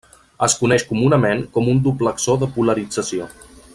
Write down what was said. Es coneix comunament com un duplexor de polarització.